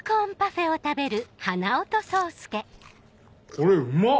これうまっ！